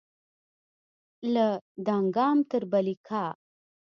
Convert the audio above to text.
له دانګام تر بلهیکا